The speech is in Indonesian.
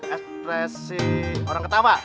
ekspresi orang ketawa